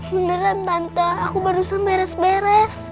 beneran bantah aku barusan beres beres